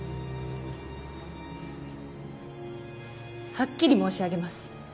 はっきり申し上げます。